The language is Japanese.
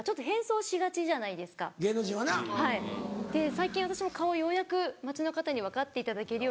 最近私も顔ようやく街の方に分かっていただけるようになって。